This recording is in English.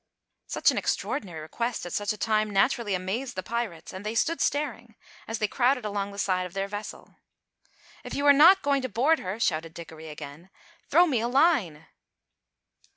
Such an extraordinary request at such a time naturally amazed the pirates, and they stood staring, as they crowded along the side of their vessel. "If you are not going to board her," shouted Dickory again, "throw me a line!"